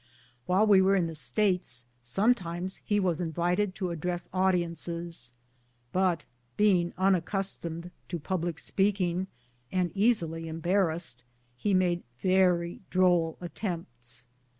While we were in the States, sometimes he was in vited to address audiences, but being unaccustomed to public speaking, and easily embarrassed, he made very droll attempts.